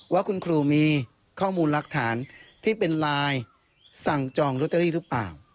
ว่าคุณครูมีข้อมูลหลักฐานที่เป็นไลน์สั่งจองลอตเตอรี่หรือเปล่า